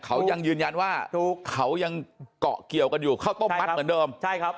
เขายังยืญญญานว่าเขายังเกาะเกี่ยวกันอยู่เข้าต้มมัดเหมือนเดิม